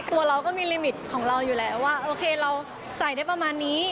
ตัวเราก็มีลิมิตของเราอยู่แล้วว่าโอเคเราใส่ได้ประมาณนี้